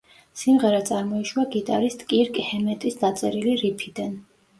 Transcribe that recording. სიმღერა წარმოიშვა გიტარისტ კირკ ჰემეტის დაწერილი რიფიდან.